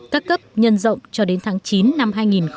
cắt cấp nhân rộng cho đến tháng chín năm hai nghìn một mươi chín